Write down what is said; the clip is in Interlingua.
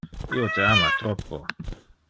Io te ama troppo.